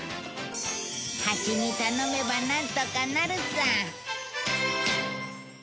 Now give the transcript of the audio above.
ハチに頼めばなんとかなるさ。